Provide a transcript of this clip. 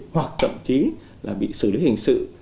hoặc thậm chí là bị xử lý hình sự